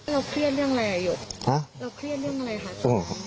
เราเครียดเรื่องอะไรอยู่